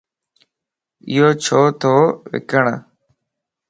ايو ڇو تو وڪڻ؟